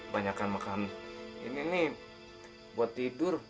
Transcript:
banyak kan mah kami ini nih buat tidur